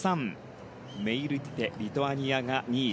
メイルティテリトアニアが２位。